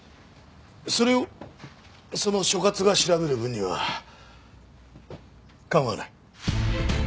それをその所轄が調べる分には構わない。